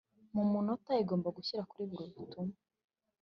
Mu munota igomba gushyirwa kuri buri butumwa